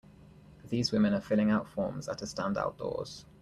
These women are filling out forms at a stand outdoors.